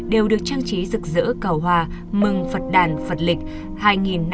đều được trang trí rực rỡ cờ hoa mừng phật đàn phật lịch hai nghìn năm trăm sáu mươi tám